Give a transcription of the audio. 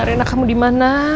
rena kami dimana